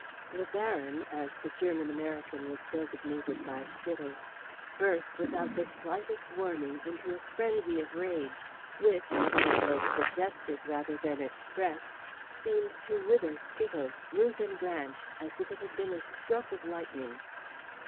The Baron as the German American was designated by Skittles burst, without the slightest warning, into a frenzy of rage, which, although it was suggested rather than expressed, seemed to wither Skittles, root and branch, as if it had been a stroke of lightning.